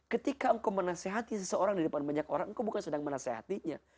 ketika engkau menasehati seseorang di depan banyak orang engkau bukan sedang menasehatinya